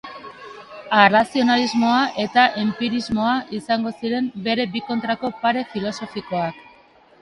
Arrazionalismoa eta enpirismoa izango ziren bere bi kontrako pare filosofikoak.